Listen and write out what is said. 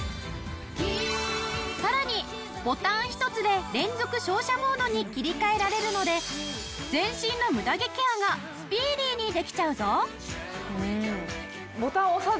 さらにボタン一つで連続照射モードに切り替えられるので全身のムダ毛ケアがスピーディーにできちゃうぞ。